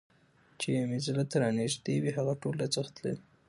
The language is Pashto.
چي مي زړه ته رانیژدې وي هغه ټول راڅخه تللي